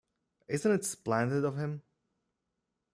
Isn't it splendid of him?